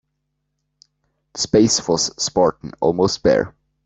The space was spartan, almost bare.